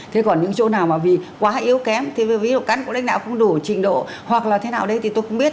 thế còn những chỗ nào mà vì quá yếu kém thì ví dụ cán bộ lãnh đạo không đủ trình độ hoặc là thế nào đấy thì tôi không biết